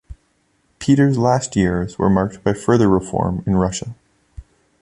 Peter's last years were marked by further reform in Russia.